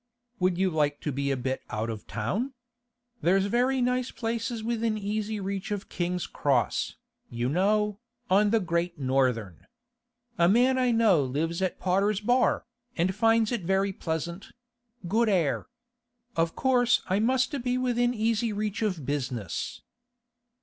Would you like to be a bit out of town? There's very nice places within easy reach of King's Cross, you know, on the Great Northern. A man I know lives at Potter's Bar, and finds it very pleasant; good air. Of course I must be within easy reach of business.